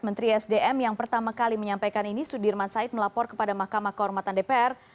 menteri sdm yang pertama kali menyampaikan ini sudirman said melapor kepada mahkamah kehormatan dpr